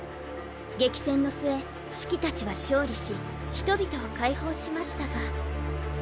激戦の末シキたちは勝利し人々を解放しましたが。